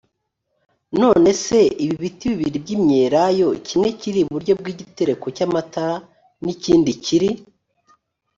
none se ibi biti bibiri by imyelayo kimwe kiri iburyo bw igitereko cy amatara n ikindi kiri